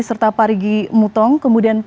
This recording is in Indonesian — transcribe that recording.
serta parigi mutong kemudian